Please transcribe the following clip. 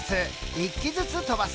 １機ずつ飛ばす。